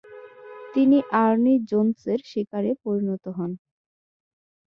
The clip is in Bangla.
তিনি আর্নি জোন্সের শিকারে পরিণত হন।